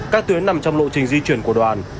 các tuyến nằm trong lộ trình di chuyển của đoàn